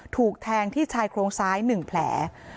ถูกแทงที่ชายโครงซ้าย๑แผล